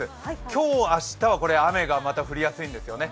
今日、明日は雨が降りやすいんですよね。